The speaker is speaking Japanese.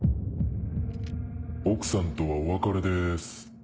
奥さんとはお別れです。